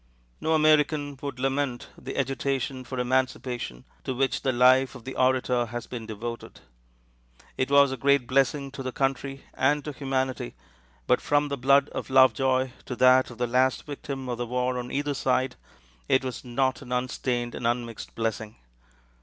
No American would lament the agitation for emancipation, to which the life of the orator has been devoted. It was a great blessing to the country and to humanity; but from the blood of Lovejoy to that of the last victim of the war on either side, it was not an unstained and unmixed blessing.